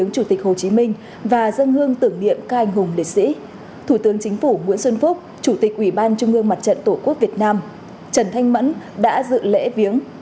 chủ tịch ủy ban trung ương mặt trận tổ quốc việt nam trần thanh mẫn đã dự lễ viếng